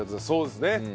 そうですね。